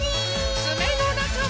つめのなかも。